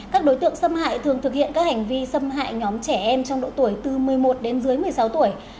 các đối tượng xâm hại thường thực hiện các hành vi xâm hại nhóm trẻ em trong độ tuổi từ một mươi một đến dưới một mươi sáu tuổi